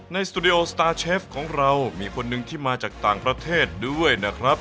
สตูดิโอสตาร์เชฟของเรามีคนหนึ่งที่มาจากต่างประเทศด้วยนะครับ